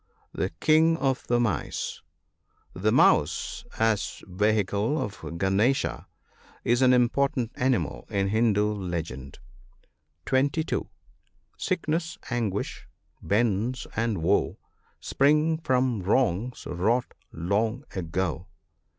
The king of the mice, — The mouse, as vehicle of Gunesh, is an important animal in Hindu legend. (22.) Sickness, anguish, bonds, and woe, Spring from wrongs wrought long ago.